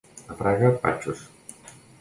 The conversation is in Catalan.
A Fraga, patxos.